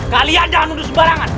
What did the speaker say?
kalian jangan undur sembarangan